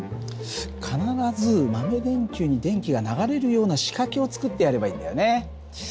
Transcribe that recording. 必ず豆電球に電気が流れるような仕掛けを作ってやればいいんだよね。